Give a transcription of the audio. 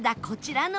こちら。